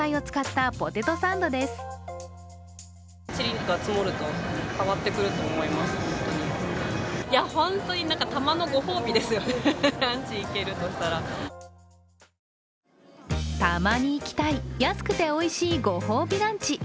たまに行きたい、安くておいしいご褒美ランチ。